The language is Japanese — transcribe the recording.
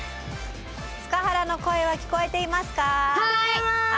塚原の声は聞こえていますか？